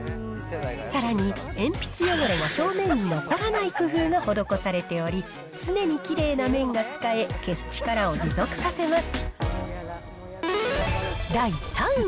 さらに、鉛筆汚れも表面に残らない工夫が施されており、常にきれいな面が使え、消す力を持続させます。